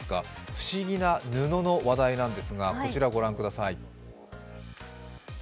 不思議な布の話題なんですが、こちらご覧ください。